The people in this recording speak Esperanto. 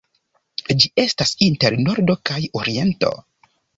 Ĝi estas inter Nordo kaj Oriento.